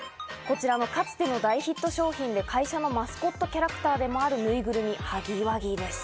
かつての大ヒット商品で、会社のマスコットキャラクターでもあるぬいぐるみ、ハギーワギーです。